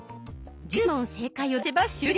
１０問正解を出せば終了。